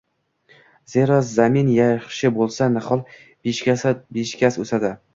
Zero, zamin yaxshi bo‘lsa nihol beshikast o‘sadi